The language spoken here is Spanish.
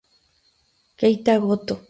Keita Goto